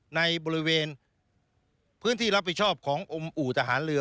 ในบริเวณพื้นที่รับผิดชอบขององค์อู่ทหารเรือ